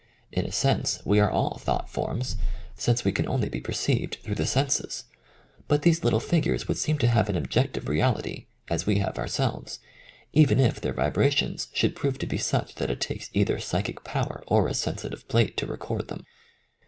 In a sense we are all thought forms, since we can only be perceived through the senses, but these little figures would seem to have an objective reality, as we have ourselves, even if their vibrations should prove to be such that it takes either psychic power or a sensitive plate to record them.